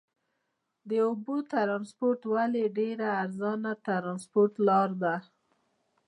د اوبو ترانسپورت ولې ډېره ارزانه ترانسپورت لار ده؟